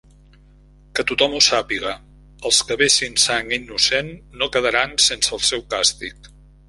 Que tothom ho sàpiga: els que vessin sang innocent no quedaran sense el seu càstig.